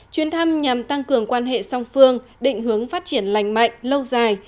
chuyến thăm nhằm tăng cường quan hệ song phương định hướng phát triển lành mạnh lâu dài